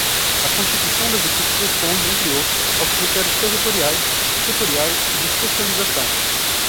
A constituição das equipes responde, entre outros, aos critérios territoriais, setoriais e de especialização.